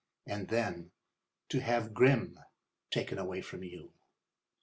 And then—to have Grimm taken away from you!